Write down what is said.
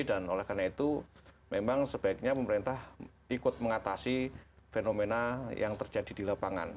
dan oleh karena itu memang sebaiknya pemerintah ikut mengatasi fenomena yang terjadi di lapangan